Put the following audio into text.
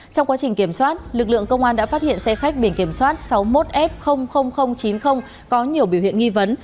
trong quá trình kiểm soát lực lượng công an đã phát hiện xe khách biển kiểm soát sáu mươi một f chín mươi có nhiều biểu hiện nghi vấn